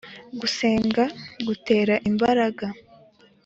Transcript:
gusenga gutera imbaraga